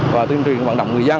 và tuyên truyền vận động người dân